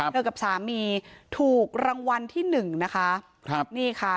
เจอกับสามีถูกรางวัลที่๑นะคะ